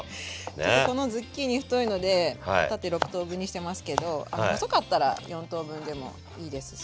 ちょっとこのズッキーニ太いので縦６等分にしてますけど細かったら４等分でもいいですし。